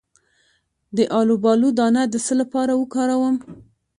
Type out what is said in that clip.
د الوبالو دانه د څه لپاره وکاروم؟